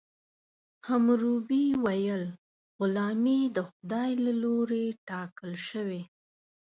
حموربي ویل غلامي د خدای له لورې ټاکل شوې.